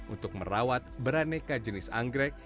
untuk merawat beraneka jenis anggrek